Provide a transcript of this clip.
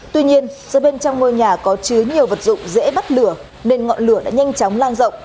tuy nhiên do bên trong ngôi nhà có chứa nhiều vật dụng dễ bắt lửa nên ngọn lửa đã nhanh chóng lan rộng